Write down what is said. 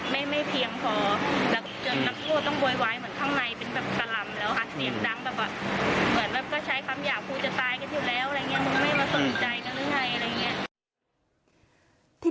ไม่มาสนใจกันหรือไง